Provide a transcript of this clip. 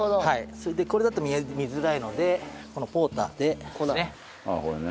それでこれだと見づらいのでこのポーターで。ああこれね。